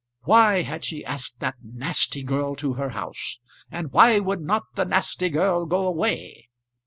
Why had she asked that nasty girl to her house, and why would not the nasty girl go away?